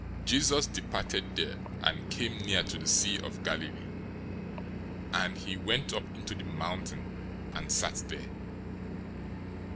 015:029 Jesus departed there, and came near to the sea of Galilee; and he went up into the mountain, and sat there.